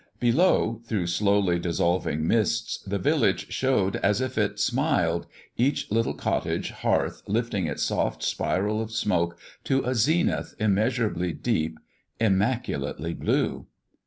Below, through slowly dissolving mists, the village showed as if it smiled, each little cottage hearth lifting its soft spiral of smoke to a zenith immeasurably deep, immaculately blue.